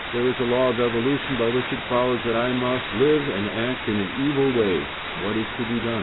There is a law of evolution by which it follows that I must live and act in an evil way; what is to be done?